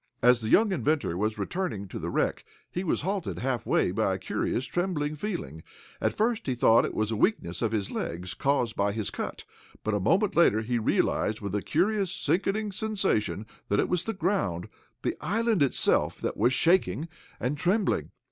As the young inventor was returning to the wreck, he was halted halfway by a curious trembling feeling. At first he thought it was a weakness of his legs, caused by his cut, but a moment later he realized with a curious, sickening sensation that it was the ground the island itself that was shaking and trembling.